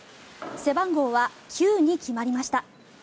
背番号は９に決まりました。